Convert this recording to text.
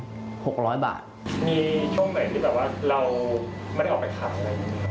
๖๐๐บาทมีช่วงไหนที่แบบว่าเราไม่ได้ออกไปขายอะไร